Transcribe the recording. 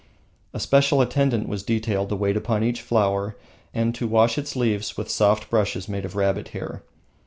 A special attendant was detailed to wait upon each flower and to wash its leaves with soft brushes made of rabbit hair.